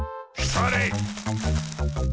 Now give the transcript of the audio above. それ！